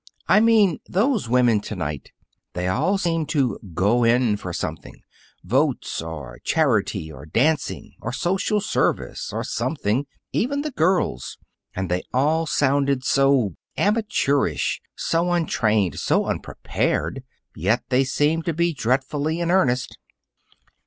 I mean those women tonight. They all seem to 'go in' for something votes or charity or dancing or social service, or something even the girls. And they all sounded so amateurish, so untrained, so unprepared, yet they seemed to be dreadfully in earnest."